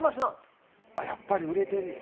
蛍原：やっぱり、売れてんねや。